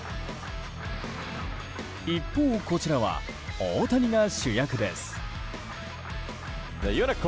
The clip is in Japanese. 一方、こちらは大谷が主役です。